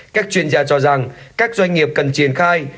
các chuyên gia cho rằng các doanh nghiệp cần triển khai